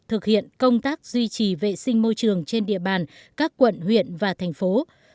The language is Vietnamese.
thực hiện công tác duy trì vệ sinh môi trường trên địa bàn các quận huyện và thành phố